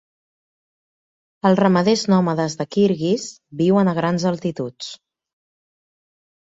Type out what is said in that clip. Els ramaders nòmades de Kirguiz viuen a grans altituds.